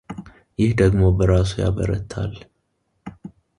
ይህ ደግሞ በራሱ ያበረታል።